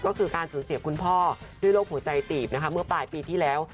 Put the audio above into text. ก็คือการสูญเสียคุณพ่อด้วยโรคหัวใจตีบนะคะเมื่อปลายปีที่แล้ว